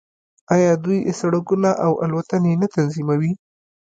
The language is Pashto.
آیا دوی سړکونه او الوتنې نه تنظیموي؟